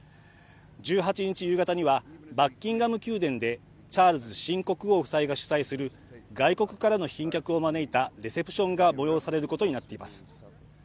１８日夕方には、バッキンガム宮殿でチャールズ新国王夫妻が主催する外国からの賓客を招いたレセプションが催されることになっています。